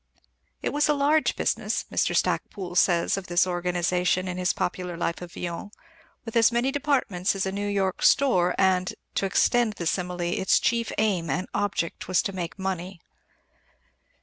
"It was a large business," Mr. Stacpoole says of this organization in his popular life of Villon, "with as many departments as a New York store, and, to extend the simile, its chief aim and object was to make money.